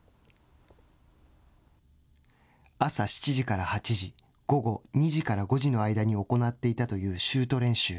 朝７時から８時午後２時から５時の間に行っていたというシュート練習。